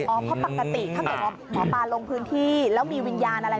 เพราะปกติตั้งแต่หมอปลาลงพื้นที่และมีวิญญาณอะไร